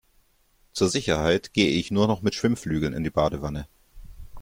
Zur Sicherheit gehe ich nur noch mit Schwimmflügeln in die Badewanne.